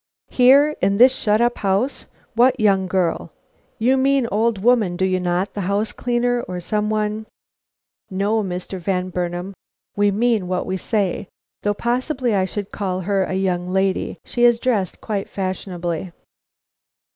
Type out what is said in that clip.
"Here! in this shut up house? What young girl? You mean old woman, do you not? the house cleaner or some one " "No, Mr. Van Burnam, we mean what we say, though possibly I should call her a young lady. She is dressed quite fashionably."